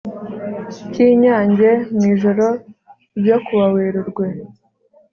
cy'i nyange mu ijoro ryo kuwa werurwe